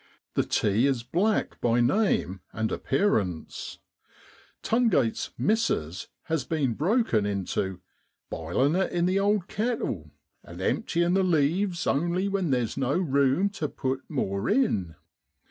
The tea is black by name and appearance; Tungate's < Missus' has been broken into ' bilin' it in the old kettle, and emptyin' the leaves only when theer's no rume to put more in.'